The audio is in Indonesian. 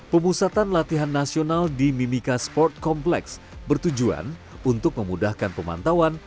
pemusatan latihan nasional di mimika sport complex bertujuan untuk memudahkan pemantauan